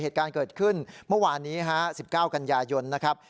เหตุการณ์เกิดขึ้นเมื่อวานนี้๑๙กันยายนนะครับ